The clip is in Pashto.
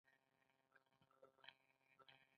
مور د پښو لاندې جنت لري